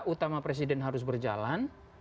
utama presiden harus berjalan